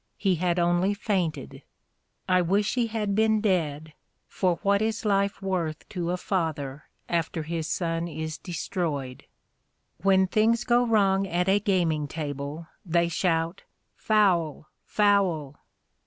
He had only fainted. I wish he had been dead; for what is life worth to a father after his son is destroyed? When things go wrong at a gaming table, they shout "Foul! foul!"